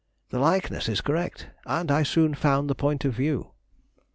The likeness is correct, and I soon found the point of view.